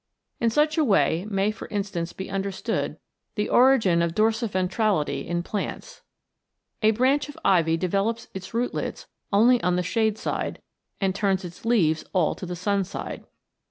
In such a way may for instance be understood the origin of dorsiventrality in plants. A branch of ivy develops its rootlets only on the shade side, and turns its leaves all to the sun side.